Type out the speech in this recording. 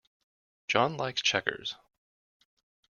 John likes checkers.